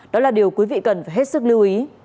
đó là điều quý vị cần phải hết sức lưu ý